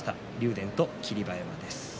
電と霧馬山です。